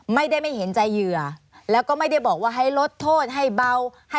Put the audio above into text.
ไม่ได้ไม่เห็นใจเหยื่อแล้วก็ไม่ได้บอกว่าให้ลดโทษให้เบา